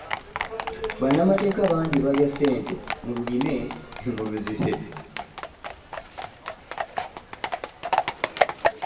Bannamateeka bangi balya ssente mu lulime ne mu luzise.